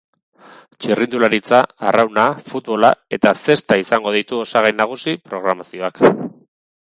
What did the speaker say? Txirrindularitza, arrauna, futbola eta zesta izango ditu osagai nagusi programazioak.